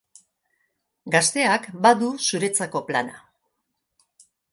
Gazteak badu zuretzako plana!